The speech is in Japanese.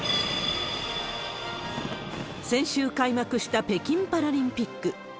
先週開幕した北京パラリンピック。